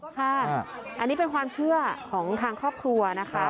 ค่ะอันนี้เป็นความเชื่อของทางครอบครัวนะคะ